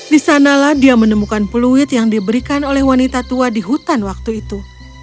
di sanalah dia menemukan peluit yang diberikan oleh wanita tua di hutan waktu itu